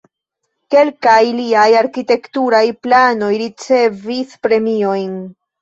Kelkaj liaj arkitekturaj planoj ricevis premiojn.